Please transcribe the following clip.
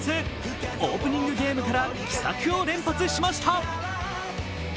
オープニングゲームから奇策を連発しました。